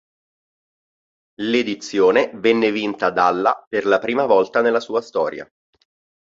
L'edizione venne vinta dalla per la prima volta nella sua storia.